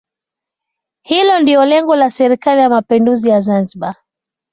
Hilo ndio lengo la Serikali ya Mapinduzi ya Zanzibar